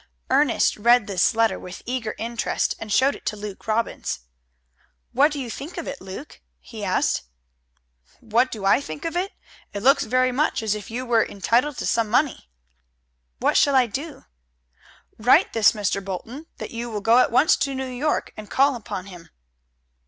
Ernest read this letter with eager interest, and showed it to Luke Robbins. "What do you think of it, Luke?" he asked. "What do I think of it? It looks very much as if you were entitled to some money." "What shall I do?" "Write this Mr. Bolton that you will go at once to New York, and call upon him."